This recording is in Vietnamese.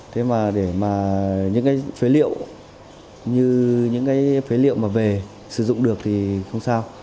thế mà để mà những cái phế liệu như những cái phế liệu mà về sử dụng được thì không sao